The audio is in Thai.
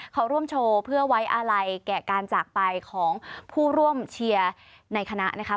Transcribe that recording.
เขาร่วมโชว์เพื่อไว้อาลัยแก่การจากไปของผู้ร่วมเชียร์ในคณะนะคะ